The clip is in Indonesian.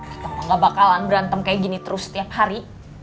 kita mah gak bakalan berantem kayak gini terus tiap hari